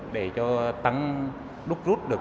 để cho tăng đúc rút được